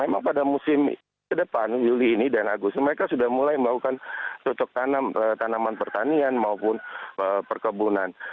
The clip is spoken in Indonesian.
memang pada musim ke depan juli ini dan agus ini mereka sudah mulai membawakan cocok tanaman pertanian maupun perkebunan